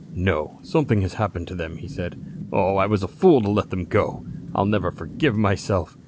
"No, something has happened to them," he said. "Oh, I was a fool to let them go. I'll never forgive myself.